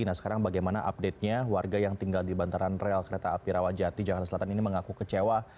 nah sekarang bagaimana update nya warga yang tinggal di bantaran rel kereta api rawajati jakarta selatan ini mengaku kecewa